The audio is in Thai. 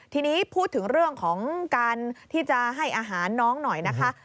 ทีนี้พูดถึงเรื่องของการที่จะให้อาหารน้องหน่อยนะคะ